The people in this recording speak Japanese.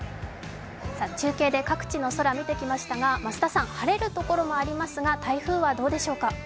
中継で各地の空を見てきましたが、増田さん、晴れるところもありますが、台風はどうでしょうか？